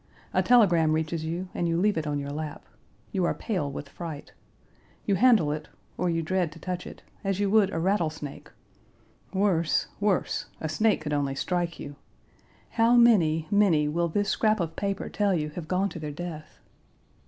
A telegram reaches you, and you leave it on your lap. You are pale with fright. You handle it, or you dread to touch it, as you would a rattlesnake; worse, worse, a snake could only strike you. How many, many will this scrap of paper tell you have gone to their death?